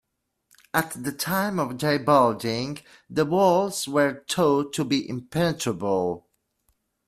At the time of their building, the walls were thought to be impenetrable.